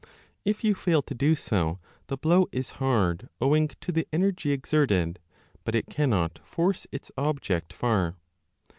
If you fail to do so, the blow is hard owing to the energy exerted, but it cannot force its object far.